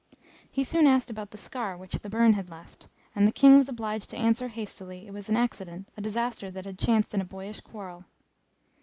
He soon asked about the scar which the burn had left, and the King was obliged to answer hastily, it was an accident, a disaster that had chanced in a boyish quarrel.